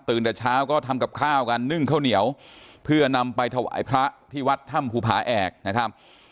แต่เช้าก็ทำกับข้าวกันนึ่งข้าวเหนียวเพื่อนำไปถวายพระที่วัดถ้ำภูผาแอกนะครับ